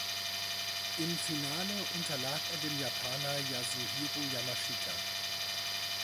Im Finale unterlag er dem Japaner Yasuhiro Yamashita.